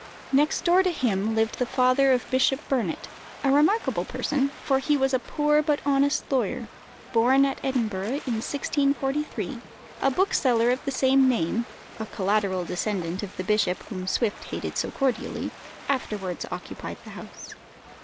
Next door to him lived the father of Bishop Burnet a remarkable person, for he was a poor but honest lawyer, born at Edinburgh in 1643. A bookseller of the same name a collateral descendant of the bishop whom Swift hated so cordially afterwards occupied the house.